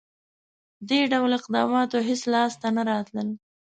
• دې ډول اقداماتو هېڅ لاسته نه راتلل.